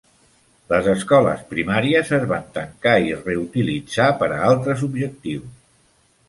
Les escoles primàries es van tancar i reutilitzar per a altres objectius.